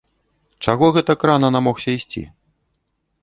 Чаго гэтак рана намогся ісці?